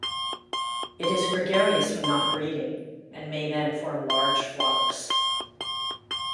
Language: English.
It is gregarious when not breeding, and may then form large flocks.